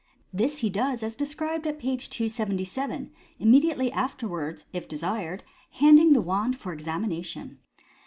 '* This he does as described at page 277, immediately afterwards, if desired, handing the wand for examination.